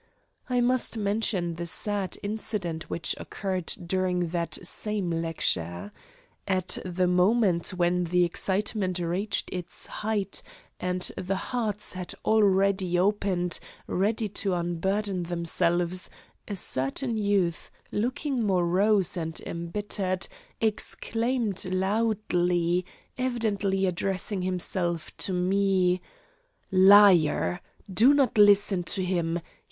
I must mention the sad incident which occurred during that same lecture. At the moment when the excitement reached its height and the hearts had already opened, ready to unburden themselves, a certain youth, looking morose and embittered, exclaimed loudly, evidently addressing himself to me: "Liar! Do not listen to him.